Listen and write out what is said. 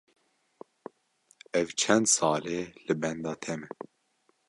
Ev çend sal e li benda te me.